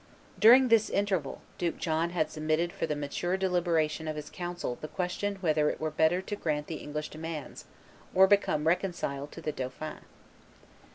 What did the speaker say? During this interval, Duke John had submitted for the mature deliberation of his council the question whether it were better to grant the English demands, or become reconciled to the dauphin.